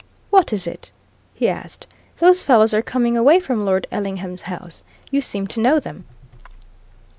"What is it?" he asked. "Those fellows are coming away from Lord Ellingham's house. You seem to know them?"